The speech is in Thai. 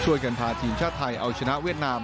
ช่วยกันพาทีมชาติไทยเอาเฉนะแม่งเวียดนาม